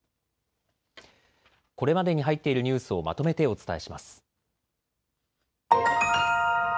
これまでに入っているニュースをまとめてお伝えします。